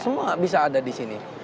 semua bisa ada di sini